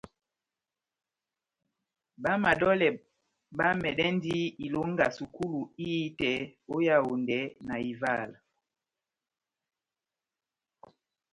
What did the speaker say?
Bá madolè bá mɛdɛndi ilonga sukulu ihitɛ ó Yaondɛ na Ivala.